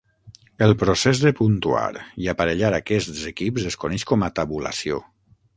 El procés de puntuar i aparellar aquests equips es coneix com a "tabulació".